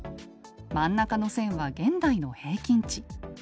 真ん中の線は現代の平均値。